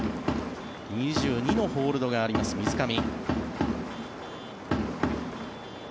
２２のホールドがあります水上。